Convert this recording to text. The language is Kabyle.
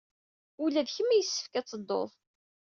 Ula d kemm yessefk ad tedduḍ!